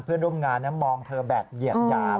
เพื่อนร่วมงานมองเธอแบบเหยียดหยาม